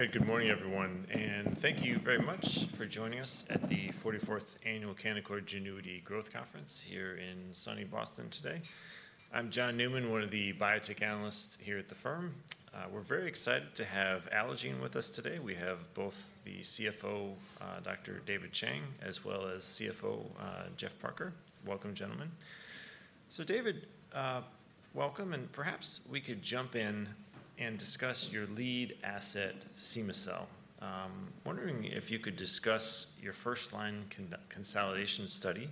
Hey, good morning, everyone, and thank you very much for joining us at the 44th Annual Canaccord Genuity Growth Conference here in sunny Boston today. I'm John Newman, one of the biotech analysts here at the firm. We're very excited to have Allogene with us today. We have both the CFO, Dr. David Chang, as well as CFO, Geoff Parker. Welcome, gentlemen. So David, welcome, and perhaps we could jump in and discuss your lead asset, cema-cel. Wondering if you could discuss your first-line consolidation study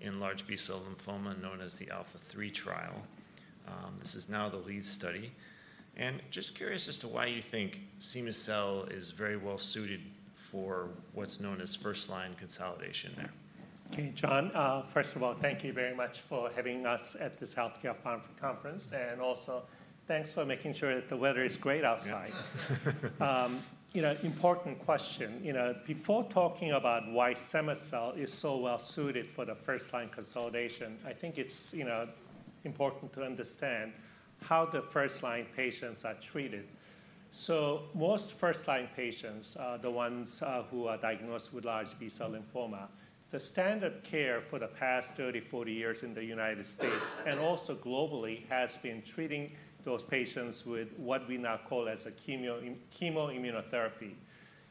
in large B-cell lymphoma, known as the ALPHA3 trial. This is now the lead study, and just curious as to why you think cema-cel is very well suited for what's known as first-line consolidation there? Okay, John, first of all, thank you very much for having us at this healthcare pharmacy conference, and also thanks for making sure that the weather is great outside. You know, important question. You know, before talking about why cema-cel is so well suited for the first-line consolidation, I think it's, you know, important to understand how the first-line patients are treated. Most first-line patients, the ones who are diagnosed with large B-cell lymphoma, the standard care for the past 30, 40 years in the United States and also globally, has been treating those patients with what we now call chemoimmunotherapy.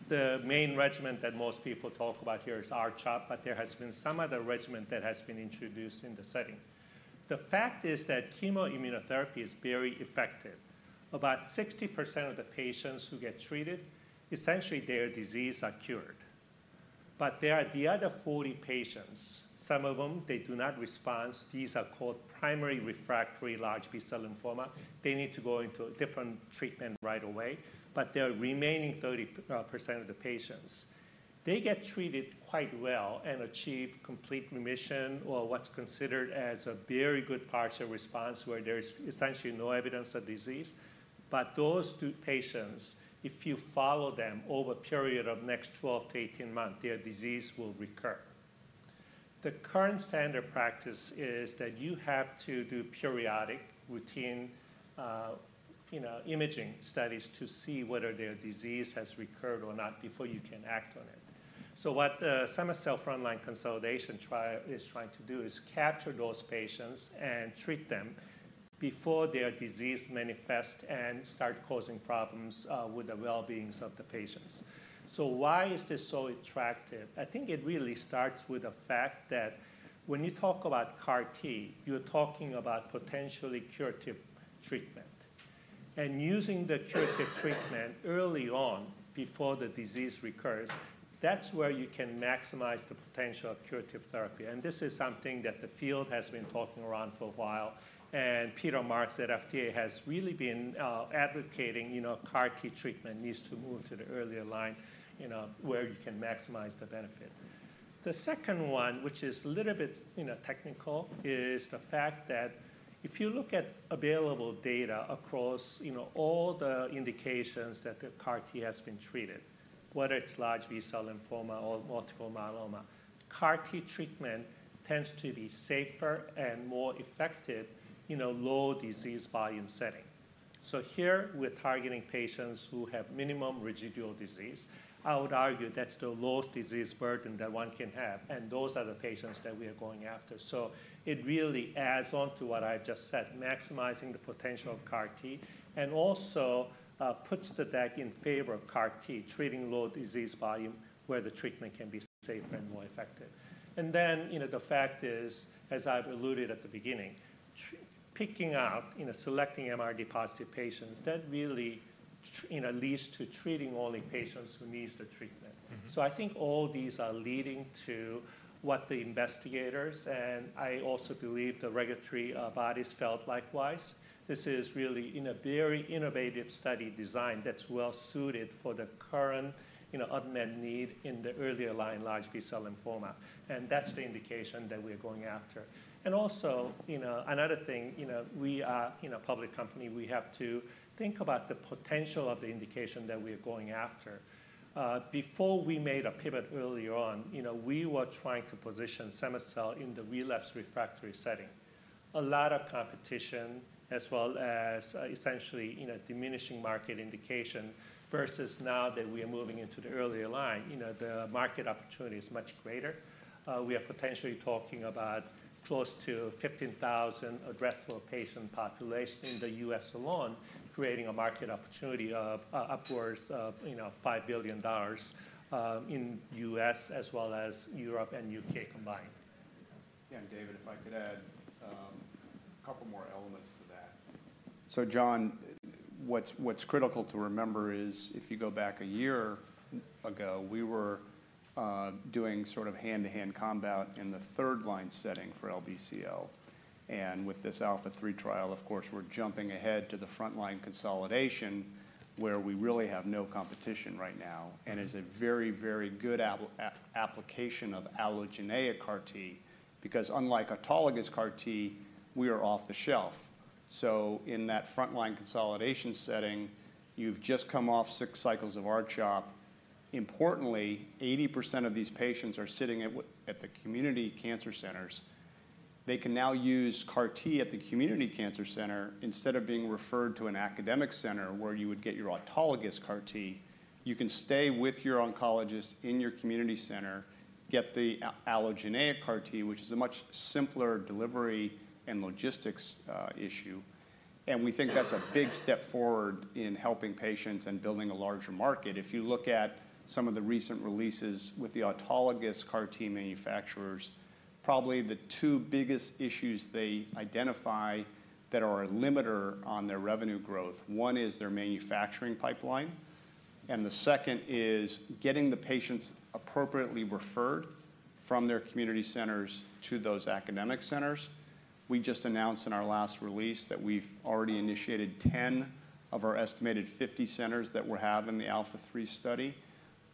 The main regimen that most people talk about here is R-CHOP, but there has been some other regimen that has been introduced in the setting. The fact is that chemoimmunotherapy is very effective. About 60% of the patients who get treated, essentially, their disease are cured. But there are the other 40 patients, some of them, they do not respond. These are called primary refractory large B-cell lymphoma. They need to go into a different treatment right away, but there are remaining 30% of the patients. They get treated quite well and achieve complete remission or what's considered as a very good partial response, where there is essentially no evidence of disease. But those two patients, if you follow them over a period of next 12 to 18 months, their disease will recur. The current standard practice is that you have to do periodic routine, you know, imaging studies to see whether their disease has recurred or not before you can act on it. So what the cema-cel frontline consolidation trial is trying to do is capture those patients and treat them before their disease manifest and start causing problems with the well-beings of the patients. So why is this so attractive? I think it really starts with the fact that when you talk about CAR T, you're talking about potentially curative treatment, and using the curative treatment early on before the disease recurs, that's where you can maximize the potential of curative therapy. And this is something that the field has been talking around for a while, and Peter Marks at FDA has really been advocating, you know, CAR T treatment needs to move to the earlier line, you know, where you can maximize the benefit. The second one, which is a little bit, you know, technical, is the fact that if you look at available data across, you know, all the indications that the CAR T has been treated, whether it's large B-cell lymphoma or multiple myeloma, CAR T treatment tends to be safer and more effective in a low disease volume setting. So here we're targeting patients who have minimal residual disease. I would argue that's the lowest disease burden that one can have, and those are the patients that we are going after. So it really adds on to what I've just said, maximizing the potential of CAR T and also puts the deck in favor of CAR T, treating low disease volume where the treatment can be safer and more effective. And then, you know, the fact is, as I've alluded at the beginning, picking out, you know, selecting MRD positive patients, that really, you know, leads to treating only patients who needs the treatment. Mm-hmm. So I think all these are leading to what the investigators, and I also believe the regulatory bodies, felt likewise. This is really in a very innovative study design that's well suited for the current, you know, unmet need in the earlier line, large B-cell lymphoma, and that's the indication that we're going after. And also, you know, another thing, you know, we are, you know, a public company. We have to think about the potential of the indication that we are going after. Before we made a pivot earlier on, you know, we were trying to position cema-cel in the relapsed refractory setting. A lot of competition as well as, essentially, you know, diminishing market indication, versus now that we are moving into the earlier line, you know, the market opportunity is much greater. We are potentially talking about close to 15,000 addressable patient population in the U.S. alone, creating a market opportunity of upwards of, you know, $5 billion in U.S. as well as Europe and U.K. combined. Yeah, and David, if I could add a couple more elements to that. So, John, what's critical to remember is if you go back a year ago, we were doing sort of hand-to-hand combat in the third-line setting for LBCL, and with this ALPHA3 trial, of course, we're jumping ahead to the frontline consolidation, where we really have no competition right now, and is a very, very good application of allogeneic CAR T, because unlike autologous CAR T, we are off the shelf. So in that frontline consolidation setting, you've just come off six cycles of R-CHOP. Importantly, 80% of these patients are sitting at the community cancer centers. They can now use CAR T at the community cancer center instead of being referred to an academic center where you would get your autologous CAR T. You can stay with your oncologist in your community center, get the allogeneic CAR T, which is a much simpler delivery and logistics issue, and we think that's a big step forward in helping patients and building a larger market. If you look at some of the recent releases with the autologous CAR T manufacturers, probably the two biggest issues they identify that are a limiter on their revenue growth, one is their manufacturing pipeline, and the second is getting the patients appropriately referred from their community centers to those academic centers. We just announced in our last release that we've already initiated 10 of our estimated 50 centers that we have in the ALPHA3 study.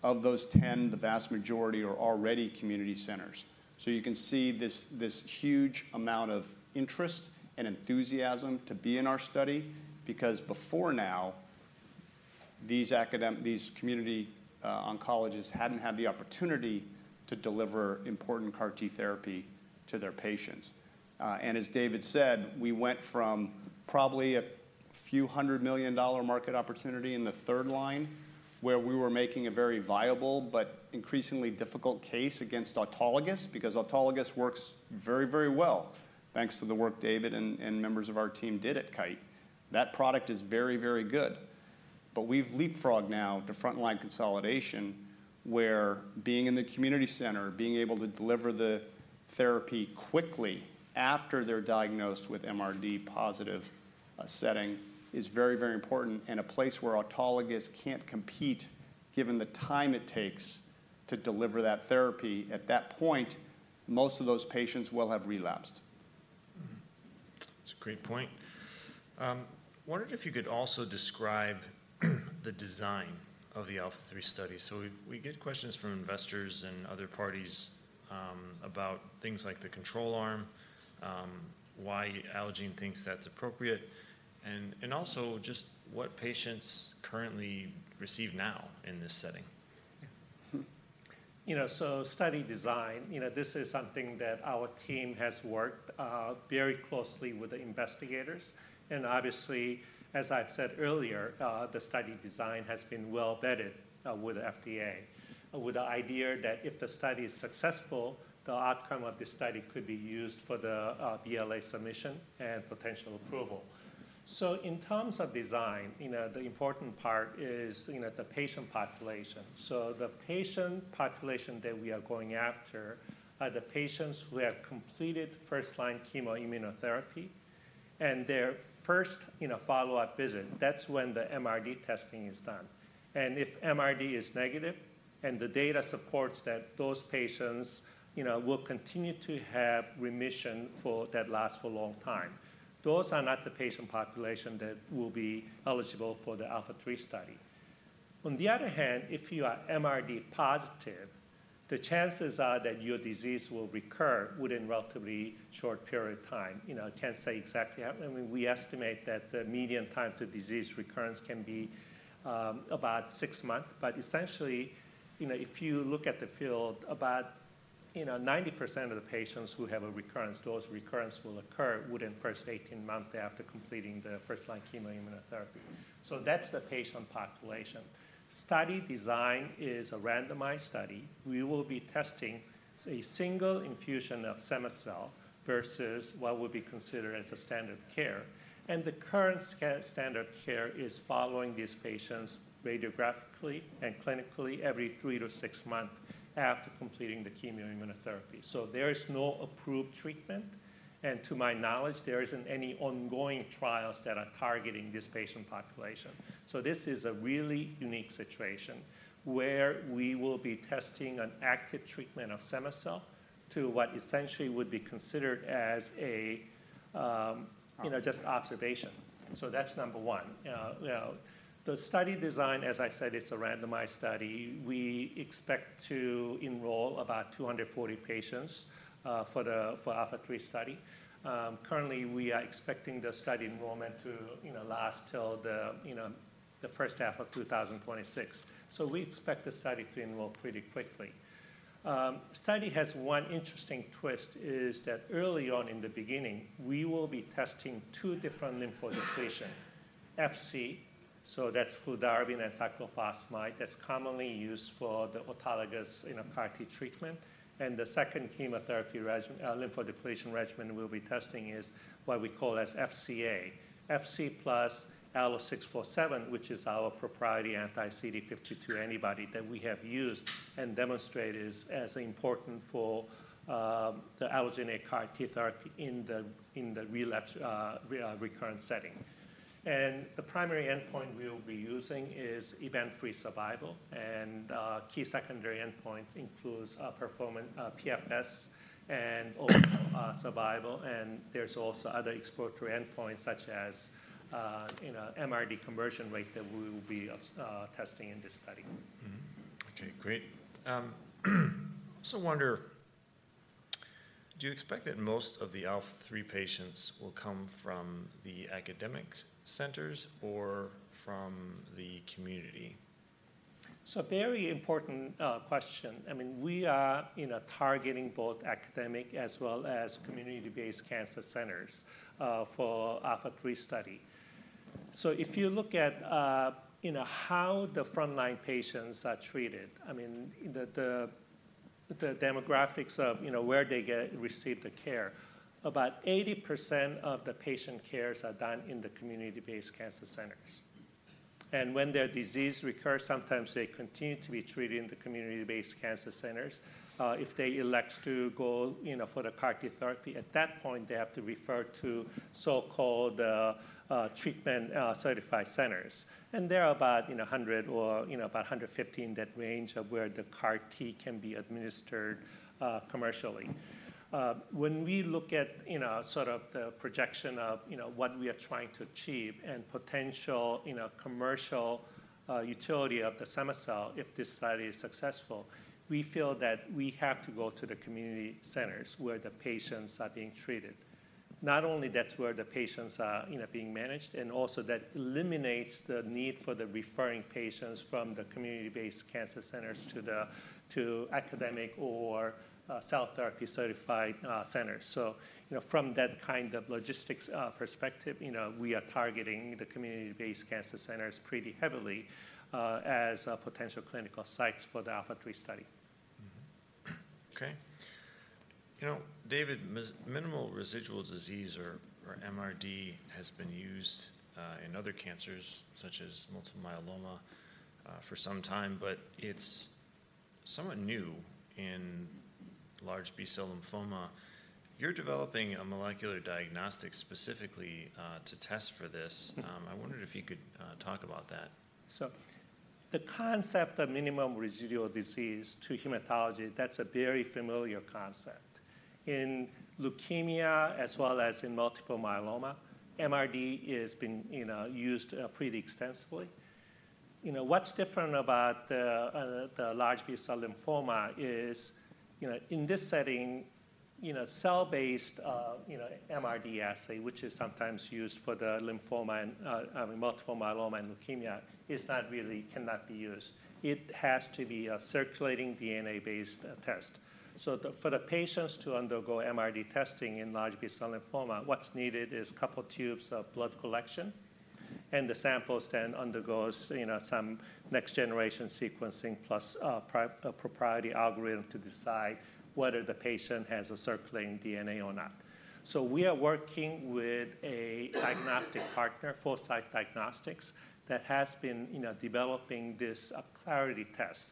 Of those 10, the vast majority are already community centers. So you can see this, this huge amount of interest and enthusiasm to be in our study, because before now, these academ. these community, oncologists hadn't had the opportunity to deliver important CAR T therapy to their patients. And as David said, we went from probably a few hundred million dollar market opportunity in the third line, where we were making a very viable but increasingly difficult case against autologous, because autologous works very, very well, thanks to the work David and, and members of our team did at Kite. That product is very, very good. But we've leapfrogged now to frontline consolidation, where being in the community center, being able to deliver the therapy quickly after they're diagnosed with MRD positive setting is very, very important and a place where autologous can't compete, given the time it takes to deliver that therapy. At that point, most of those patients will have relapsed. Mm-hmm. That's a great point. Wondered if you could also describe the design of the ALPHA3 study. So we get questions from investors and other parties, about things like the control arm, why Allogene thinks that's appropriate, and also just what patients currently receive now in this setting? Yeah. Hmm. You know, so study design, you know, this is something that our team has worked very closely with the investigators, and obviously, as I've said earlier, the study design has been well vetted with FDA, with the idea that if the study is successful, the outcome of the study could be used for the BLA submission and potential approval. So in terms of design, you know, the important part is, you know, the patient population. So the patient population that we are going after are the patients who have completed first-line chemo immunotherapy and their first, you know, follow-up visit. That's when the MRD testing is done. If MRD is negative and the data supports that those patients, you know, will continue to have remission that lasts for a long time, those are not the patient population that will be eligible for the ALPHA3 study. On the other hand, if you are MRD positive, the chances are that your disease will recur within relatively short period of time. You know, I can't say exactly how, I mean, we estimate that the median time to disease recurrence can be, about 6 months. But essentially, you know, if you look at the field, about, you know, 90% of the patients who have a recurrence, those recurrence will occur within first 18 months after completing the first-line chemo immunotherapy. So that's the patient population. Study design is a randomized study. We will be testing a single infusion of cema-cel versus what would be considered as a standard care, and the current standard care is following these patients radiographically and clinically every three to six months after completing the chemo immunotherapy. So there is no approved treatment, and to my knowledge, there isn't any ongoing trials that are targeting this patient population. So this is a really unique situation where we will be testing an active treatment of cema-cel to what essentially would be considered as a, you know, just observation. So that's number one. The study design, as I said, it's a randomized study. We expect to enroll about 240 patients for the ALPHA3 study. Currently, we are expecting the study enrollment to, you know, last till the first half of 2026. So we expect the study to enroll pretty quickly. Study has one interesting twist, is that early on in the beginning, we will be testing two different lymphodepletion: FC, so that's fludarabine and cyclophosphamide. That's commonly used for the autologous, you know, CAR T treatment. And the second chemotherapy regimen, lymphodepletion regimen we'll be testing is what we call as FCA. FC plus ALLO-647, which is our proprietary anti-CD52 antibody that we have used and demonstrated as important for the allogeneic CAR T therapy in the relapse, recurrent setting. And the primary endpoint we will be using is event-free survival, and key secondary endpoint includes PFS and overall survival, and there's also other exploratory endpoints, such as, you know, MRD conversion rate that we will be testing in this study. Mm-hmm. Okay, great. Also wonder, do you expect that most of the ALPHA3 patients will come from the academic centers or from the community? So very important question. I mean, we are, you know, targeting both academic as well as community-based cancer centers for ALPHA3 study. So if you look at, you know, how the frontline patients are treated, I mean, the demographics of, you know, where they receive the care, about 80% of the patient cares are done in the community-based cancer centers. And when their disease recurs, sometimes they continue to be treated in the community-based cancer centers. If they elect to go, you know, for the CAR T therapy, at that point, they have to refer to so-called treatment certified centers. And there are about, you know, 100 or, you know, about 150 in that range of where the CAR T can be administered commercially. When we look at, you know, sort of the projection of, you know, what we are trying to achieve and potential, you know, commercial utility of the cell if this study is successful, we feel that we have to go to the community centers where the patients are being treated. Not only that's where the patients are, you know, being managed, and also that eliminates the need for the referring patients from the community-based cancer centers to the, to academic or, cell therapy-certified, centers. So, you know, from that kind of logistics perspective, you know, we are targeting the community-based cancer centers pretty heavily, as potential clinical sites for the ALPHA3 study. Mm-hmm. Okay. You know, David, minimal residual disease, or MRD, has been used in other cancers, such as multiple myeloma, for some time, but it's somewhat new in large B-cell lymphoma. You're developing a molecular diagnostic specifically to test for this. I wondered if you could talk about that. So the concept of minimum residual disease to hematology, that's a very familiar concept. In leukemia as well as in multiple myeloma, MRD has been, you know, used, pretty extensively. You know, what's different about the, the large B-cell lymphoma is, you know, in this setting, you know, cell-based, you know, MRD assay, which is sometimes used for the lymphoma and, multiple myeloma and leukemia, is not really cannot be used. It has to be a circulating DNA-based, test. So the—for the patients to undergo MRD testing in large B-cell lymphoma, what's needed is couple tubes of blood collection, and the sample then undergoes, you know, some next-generation sequencing, plus, a proprietary algorithm to decide whether the patient has a circulating DNA or not. So we are working with a diagnostic partner, Foresight Diagnostics, that has been, you know, developing this, Clarity test.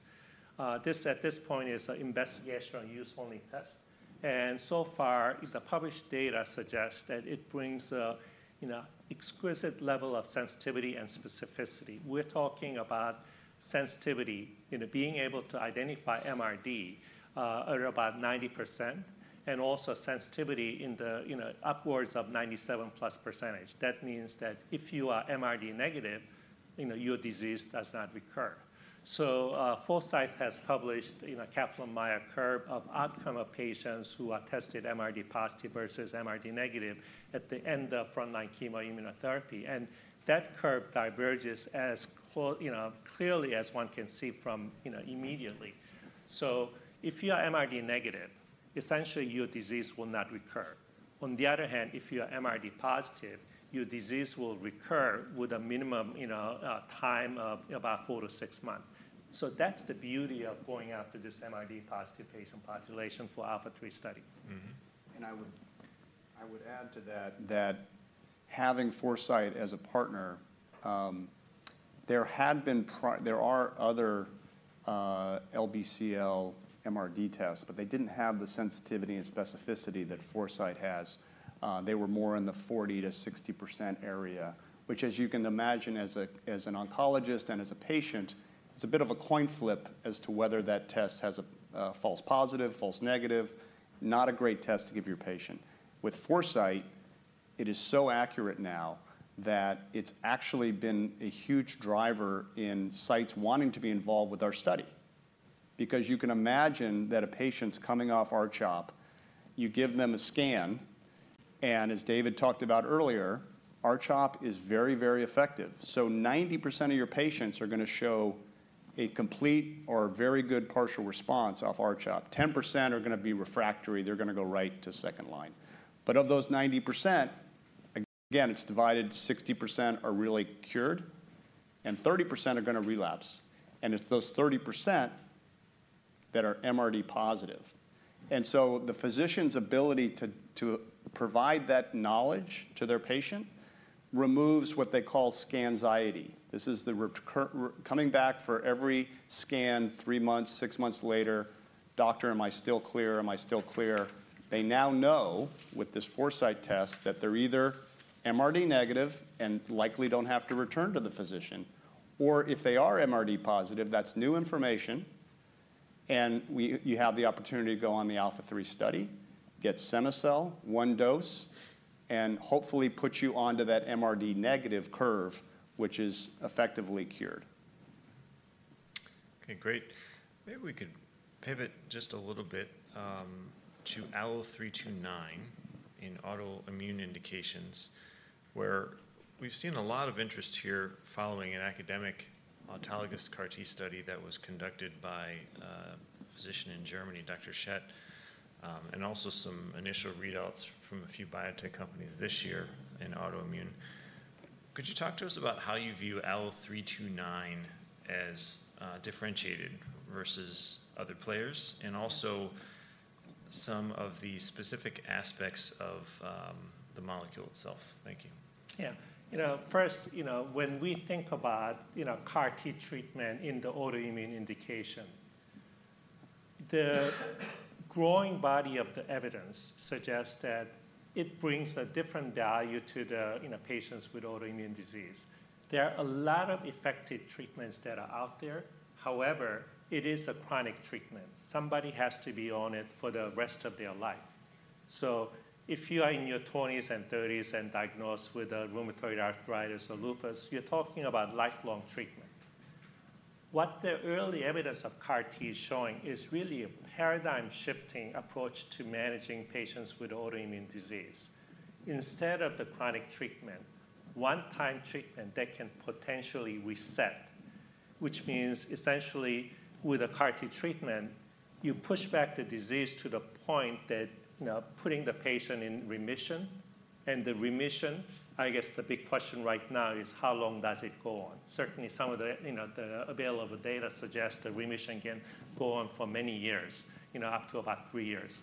This at this point is an investigational use-only test, and so far, the published data suggests that it brings a, you know, exquisite level of sensitivity and specificity. We're talking about sensitivity, you know, being able to identify MRD at about 90% and also sensitivity in the, you know, upwards of 97%+. That means that if you are MRD negative, you know, your disease does not recur. So, Foresight has published, you know, Kaplan-Meier curve of outcome of patients who are tested MRD positive versus MRD negative at the end of frontline chemoimmunotherapy, and that curve diverges, you know, clearly as one can see from, you know, immediately. So if you are MRD negative, essentially your disease will not recur. On the other hand, if you are MRD positive, your disease will recur with a minimum, you know, time of about 4-6 months. So that's the beauty of going after this MRD-positive patient population for ALPHA3 study. Mm-hmm. And I would, I would add to that, that having Foresight as a partner, there are other LBCL MRD tests, but they didn't have the sensitivity and specificity that Foresight has. They were more in the 40%-60% area, which, as you can imagine, as a, as an oncologist and as a patient, it's a bit of a coin flip as to whether that test has a false positive, false negative. Not a great test to give your patient. With Foresight, it is so accurate now that it's actually been a huge driver in sites wanting to be involved with our study. Because you can imagine that a patient's coming off R-CHOP, you give them a scan, and as David talked about earlier, R-CHOP is very, very effective. So 90% of your patients are going to show a complete or very good partial response off R-CHOP. 10% are going to be refractory; they're going to go right to second line. But of those 90%, again, it's divided: 60% are really cured, and 30% are going to relapse, and it's those 30% that are MRD positive. And so the physician's ability to provide that knowledge to their patient removes what they call scanxiety. This is the recur-- coming back for every scan, three months, six months later, "Doctor, am I still clear? Am I still clear?" They now know with this Foresight test that they're either MRD negative and likely don't have to return to the physician, or if they are MRD positive, that's new information, and you have the opportunity to go on the ALPHA3 study, get cema-cel, one dose, and hopefully put you onto that MRD negative curve, which is effectively cured. Okay, great. Maybe we can pivot just a little bit to ALO-329 in autoimmune indications, where we've seen a lot of interest here following an academic autologous CAR T study that was conducted by a physician in Germany, Dr. Schett, and also some initial readouts from a few biotech companies this year in autoimmune. Could you talk to us about how you view ALLO-329 as differentiated versus other players, and also some of the specific aspects of the molecule itself? Thank you. Yeah. You know, first, you know, when we think about, you know, CAR T treatment in the autoimmune indication, the growing body of the evidence suggests that it brings a different value to the, you know, patients with autoimmune disease. There are a lot of effective treatments that are out there. However, it is a chronic treatment. Somebody has to be on it for the rest of their life. So if you are in your 20s and 30s and diagnosed with rheumatoid arthritis or lupus, you're talking about lifelong treatment. What the early evidence of CAR T is showing is really a paradigm-shifting approach to managing patients with autoimmune disease. Instead of the chronic treatment, one-time treatment that can potentially reset, which means essentially with a CAR T treatment, you push back the disease to the point that, you know, putting the patient in remission. The remission, I guess the big question right now is: how long does it go on? Certainly, some of the, you know, the available data suggests the remission can go on for many years, you know, up to about three years.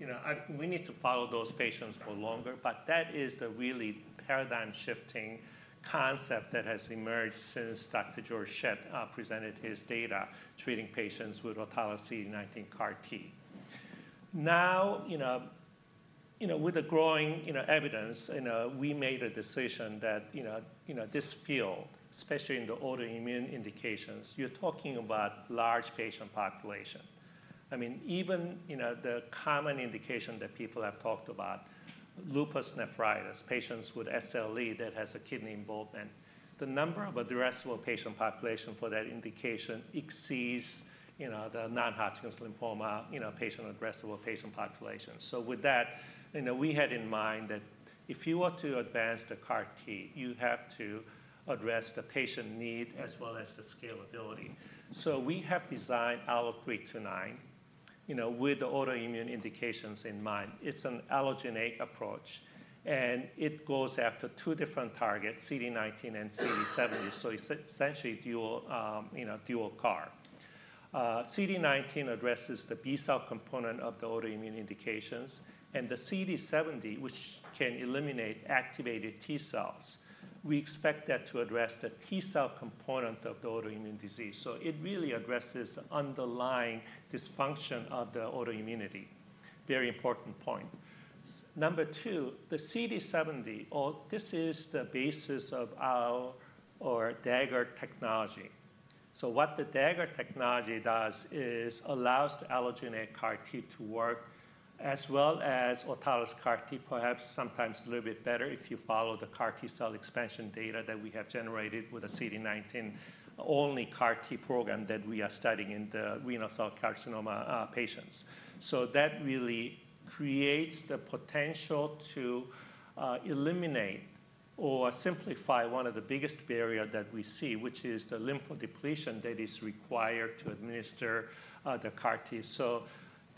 You know, and we need to follow those patients for longer, but that is the really paradigm-shifting concept that has emerged since Dr. Georg Schett presented his data treating patients with autologous CD19 CAR T. Now, you know, you know, with the growing, you know, evidence, you know, we made a decision that, you know, you know, this field, especially in the autoimmune indications, you're talking about large patient population. I mean, even, you know, the common indication that people have talked about, lupus nephritis, patients with SLE that has a kidney involvement, the number of addressable patient population for that indication exceeds, you know, the non-Hodgkin's lymphoma, you know, patient addressable patient population. So with that, you know, we had in mind that if you want to advance the CAR T, you have to address the patient need as well as the scalability. So we have designed ALLO-329, you know, with the autoimmune indications in mind. It's an allogeneic approach, and it goes after two different targets, CD19 and CD70. So essentially dual, you know, dual CAR. CD19 addresses the B cell component of the autoimmune indications, and the CD70, which can eliminate activated T cells. We expect that to address the T cell component of the autoimmune disease, so it really addresses the underlying dysfunction of the autoimmunity. Very important point. Number two, the CD70, or this is the basis of our Dagger technology. So what the Dagger technology does is allows the allogeneic CAR T to work as well as autologous CAR T, perhaps sometimes a little bit better if you follow the CAR T cell expansion data that we have generated with the CD19-only CAR T program that we are studying in the renal cell carcinoma patients. So that really creates the potential to eliminate or simplify one of the biggest barrier that we see, which is the lymphodepletion that is required to administer the CAR T.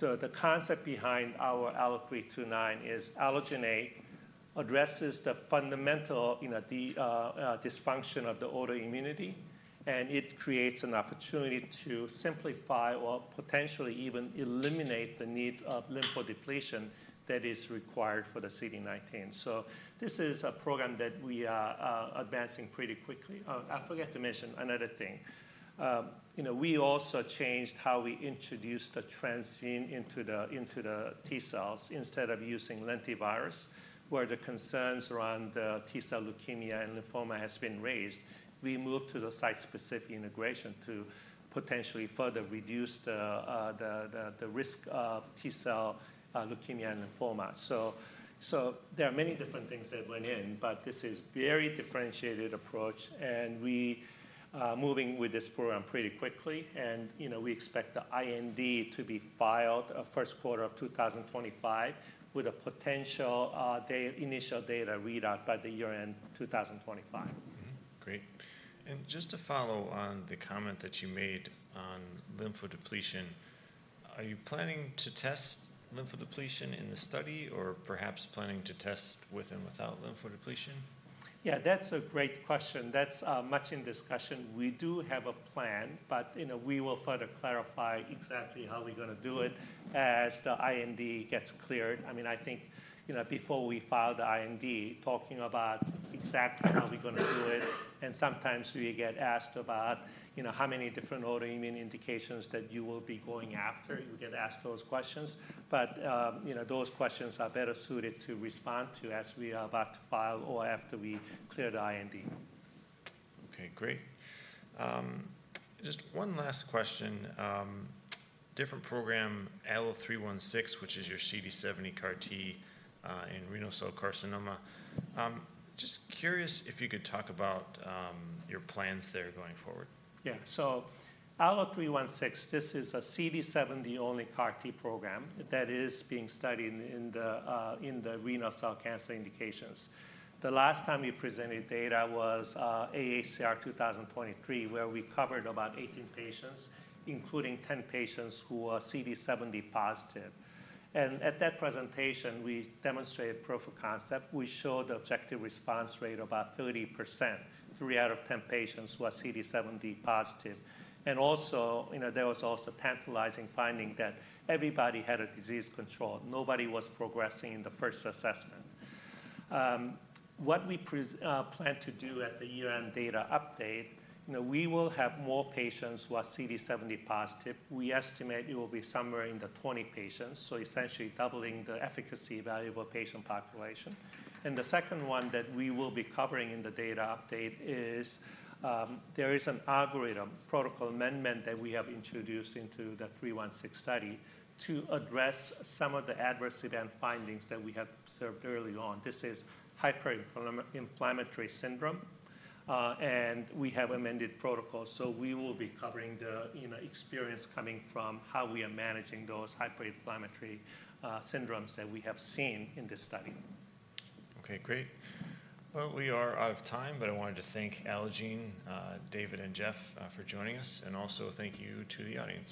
So the concept behind our ALLO-329 is allogeneic addresses the fundamental, you know, dysfunction of the autoimmunity, and it creates an opportunity to simplify or potentially even eliminate the need of lymphodepletion that is required for the CD19. So this is a program that we are advancing pretty quickly. I forgot to mention another thing. You know, we also changed how we introduced the transgene into the T cells. Instead of using lentivirus, where the concerns around the T cell leukemia and lymphoma has been raised, we moved to the site-specific integration to potentially further reduce the risk of T cell leukemia and lymphoma. So there are many different things that went in, but this is very differentiated approach, and we are moving with this program pretty quickly. You know, we expect the IND to be filed first quarter of 2025, with a potential initial data readout by year-end 2025. Mm-hmm. Great. And just to follow on the comment that you made on lymphodepletion, are you planning to test lymphodepletion in the study or perhaps planning to test with and without lymphodepletion? Yeah, that's a great question. That's much in discussion. We do have a plan, but, you know, we will further clarify exactly how we're gonna do it as the IND gets cleared. I mean, I think, you know, before we file the IND, talking about exactly how we're gonna do it, and sometimes we get asked about, you know, how many different autoimmune indications that you will be going after. You get asked those questions, but, you know, those questions are better suited to respond to as we are about to file or after we clear the IND. Okay, great. Just one last question. Different program, ALLO-316, which is your CD70 CAR T, in renal cell carcinoma. Just curious if you could talk about your plans there going forward? Yeah. So ALLO-316, this is a CD70-only CAR T program that is being studied in the renal cell cancer indications. The last time we presented data was AACR 2023, where we covered about 18 patients, including 10 patients who are CD70 positive. And at that presentation, we demonstrated proof of concept. We showed objective response rate about 30%, 3 out of 10 patients who are CD70 positive. And also, you know, there was also tantalizing finding that everybody had a disease control. Nobody was progressing in the first assessment. What we plan to do at the year-end data update, you know, we will have more patients who are CD70 positive. We estimate it will be somewhere in the 20 patients, so essentially doubling the evaluable patient population. The second one that we will be covering in the data update is a protocol amendment that we have introduced into the 316 study to address some of the adverse event findings that we have observed early on. This is hyperinflammatory syndrome, and we have amended protocols, so we will be covering the, you know, experience coming from how we are managing those hyperinflammatory syndromes that we have seen in this study. Okay, great. Well, we are out of time, but I wanted to thank Allogene, David and Geoff, for joining us, and also thank you to the audience.